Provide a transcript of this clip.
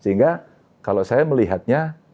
sehingga kalau saya melihatnya